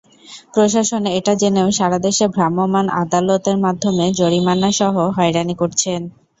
প্রশাসন এটা জেনেও সারা দেশে ভ্রাম্যমাণ আদালতের মাধ্যমে জরিমানাসহ হয়রানি করছেন।